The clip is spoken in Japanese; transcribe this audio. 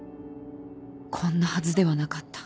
こんなはずではなかった